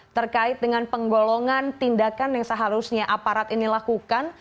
terkait dengan penggolongan tindakan yang seharusnya aparat ini lakukan